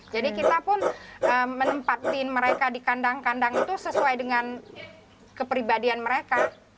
jadi kita pun menempatkan mereka di kandang kandang sesuai dengan kepribadian mereka